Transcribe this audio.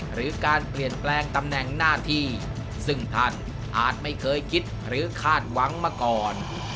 หรือการเปลี่ยนแปลงตำแหน่งหน้าที่ซึ่งท่านอาจไม่เคยคิดหรือคาดหวังมาก่อน